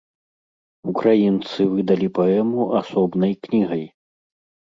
Украінцы выдалі паэму асобнай кнігай.